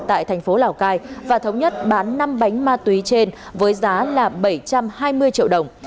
tại thành phố lào cai và thống nhất bán năm bánh ma túy trên với giá là bảy trăm hai mươi triệu đồng